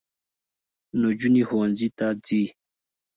نجوني ښوونځۍ ته ځي